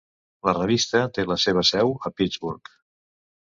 La revista té la seva seu a Pittsburgh.